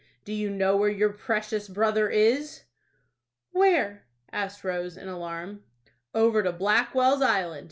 Do you know where your precious brother is?" "Where?" asked Rose, in alarm. "Over to Blackwell's Island.